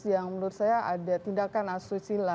yang menurut saya ada tindakan asusila